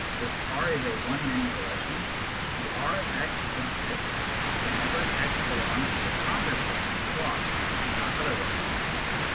Thus if R is a one many relation, the R of x exists whenever * belongs to the converse domain of R, and not otherwise.